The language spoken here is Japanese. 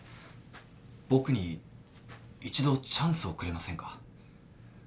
僕に一度チャンスをくれませんか？